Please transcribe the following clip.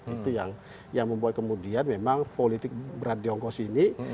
itu yang membuat kemudian memang politik berat di hongkos ini